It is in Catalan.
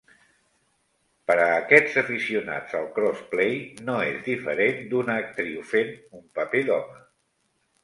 Per a aquests aficionats al crossplay, no es diferent d'una actriu fent un paper d'home.